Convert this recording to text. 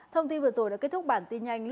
thông tin vừa rồi đã kết thúc bản tin nhanh